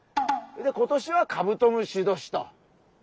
今年はカブトムシ年と。